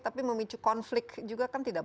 tapi memicu konflik juga kan tidak